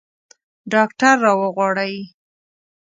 ډاکټر راوغواړئ